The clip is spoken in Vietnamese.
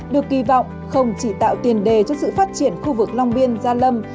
được kỳ vọng không chỉ tạo tiền đề cho sự phát triển khu vực long biên gia lâm